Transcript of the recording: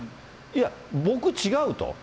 いや、僕、違うと。